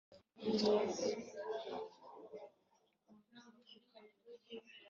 ubugingo bushobora kujya ahantu hatandukanye